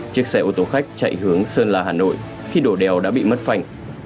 chiếc xe ô tô khách chạy hướng sơn la hà nội khi đổ đèo đã bị mất phanh